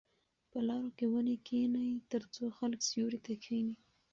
په لارو کې ونې کېنئ ترڅو خلک سیوري ته کښېني.